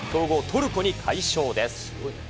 トルコに快勝です。